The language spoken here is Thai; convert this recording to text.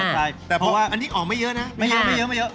ใช่แต่เพราะว่าอันนี้อ๋อไม่เยอะนะไม่เยอะ